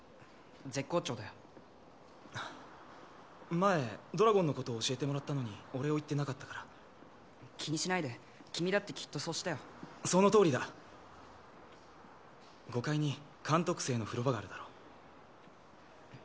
前ドラゴンのことを教えてもらったのにお礼を言ってなかったから気にしないで君だってきっとそうしたよそのとおりだ５階に監督生の風呂場があるだろ？